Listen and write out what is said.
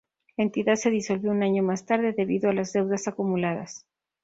La entidad se disolvió un año más tarde, debido a las deudas acumuladas.